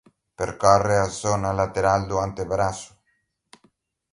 Percorre a zona lateral do antebrazo.